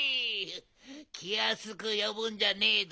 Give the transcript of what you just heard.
きやすくよぶんじゃねえど。